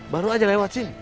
baru aja lewat sini